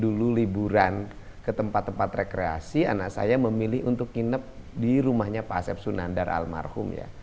dulu liburan ke tempat tempat rekreasi anak saya memilih untuk nginep di rumahnya pak asep sunandar almarhum ya